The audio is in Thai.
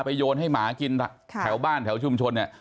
ไปโยนให้หมากินแถวบ้านแถวชุมชน